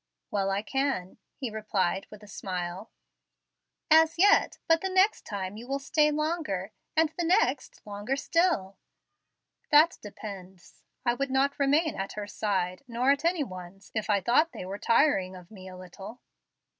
"Well, I can," he replied with a smile. "As yet, but the next time you will stay longer, and the next longer still." "That depends. I would not remain at her side, nor at any one's, if I thought they were tiring of me a little."